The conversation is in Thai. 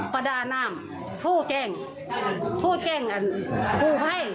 ประดานามโทรแก้งโทรแก้งของครูไฟ